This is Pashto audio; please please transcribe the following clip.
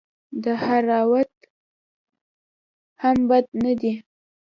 دهراوت هم بد نه دئ.